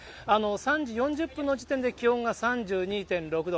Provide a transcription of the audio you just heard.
３時４０分の時点で気温が３２．６度。